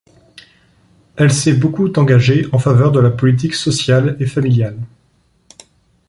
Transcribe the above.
Elle s'est beaucoup engagée en faveur de la politique sociale et familiale.